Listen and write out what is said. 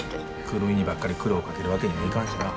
久留美にばっかり苦労かけるわけにもいかんしな。